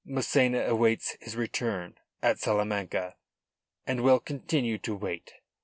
Massena awaits his return at Salamanca, and will continue to wait.